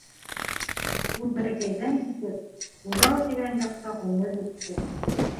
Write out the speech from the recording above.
Ул бәләкәйҙән китеп, Урал тигән яҡта ғүмер иткән.